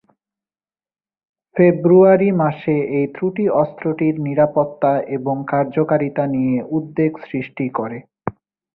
ফেব্রুয়ারি মাসে এই ত্রুটি অস্ত্রটির নিরাপত্তা এবং কার্যকারিতা নিয়ে উদ্বেগ সৃষ্টি করে।